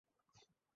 আমার বাবার জন্য?